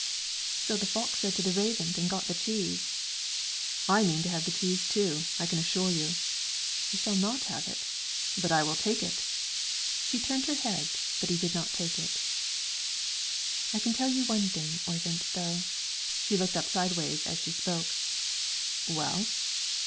"So the fox said to the raven and got the cheese." "I mean to have the cheese, too, I can assure you." "You shall not have it." "But I will take it." She turned her head, but he did not take it. "I can tell you one thing, Oyvind, though." She looked up sideways as she spoke. "Well?"